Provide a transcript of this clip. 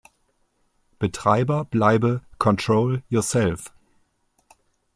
Betreiber bleibe „Control Yourself“.